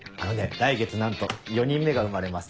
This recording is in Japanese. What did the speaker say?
来月なんと４人目が生まれます。